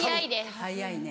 早いね。